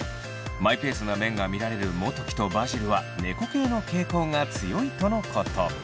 マイペースな面が見られるモトキとバジルは猫系の傾向が強いとのこと。